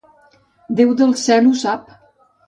Déu del cel ho sap.